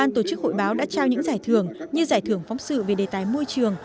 tổ chức hội báo đã trao những giải thưởng như giải thưởng phóng sự về đề tái môi trường